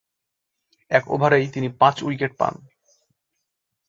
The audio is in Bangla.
এক ওভারেই তিনি পাঁচ উইকেট পান।